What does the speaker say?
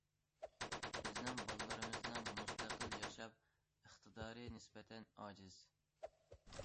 بىزنىڭ بالىلىرىمىزنىڭ مۇستەقىل ياشاش ئىقتىدارى نىسبەتەن ئاجىز.